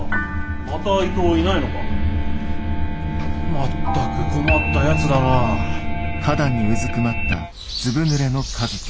まったく困ったやつだな。なんてこと。